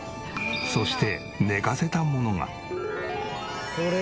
そして寝かせたものが。